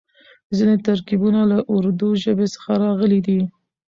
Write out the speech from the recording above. ځينې ترکيبونه له اردو ژبې څخه راغلي دي.